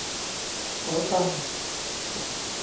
เป๋าตัง